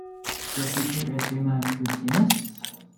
This feature is Rima Hyginus.